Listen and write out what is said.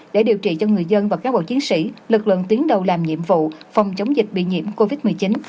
để điều trị cho người dân và các bộ chiến sĩ lực lượng tuyến đầu làm nhiệm vụ phòng chống dịch bị nhiễm covid một mươi chín